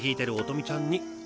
美ちゃんに。